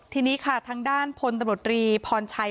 ที่นี่ค่ะทางด้านพลตรตรีพรชัย